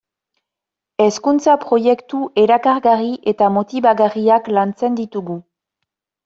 Hezkuntza-proiektu erakargarri eta motibagarriak lantzen ditugu.